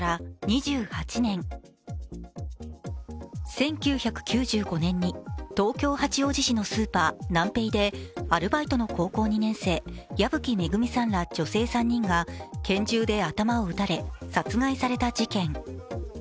１９９５年に東京・八王子のスーパーナンペイでアルバイトの高校２年生矢吹恵さんら女性３人が拳銃で頭を撃たれ殺害された事件。